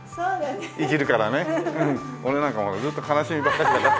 俺なんかもうずっと悲しみばっかりだから。